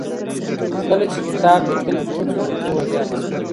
کله چې کتاب ليکل دود شول، پوهه زياته شوه.